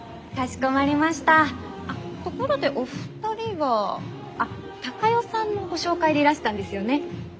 あっところでお二人はあっ孝代さんのご紹介でいらしたんですよね。